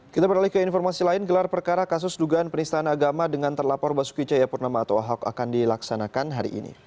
kita beralih ke informasi lain gelar perkara kasus dugaan penistaan agama dengan terlapor basuki cahayapurnama atau ahok akan dilaksanakan hari ini